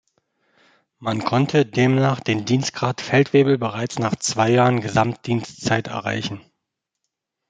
Man konnte demnach den Dienstgrad Feldwebel bereits nach zwei Jahren Gesamt-Dienstzeit erreichen.